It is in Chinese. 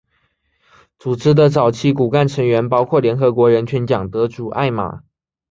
组织的早期骨干成员包括联合国人权奖得主艾玛。